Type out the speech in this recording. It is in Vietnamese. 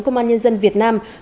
công an nhân dân việt nam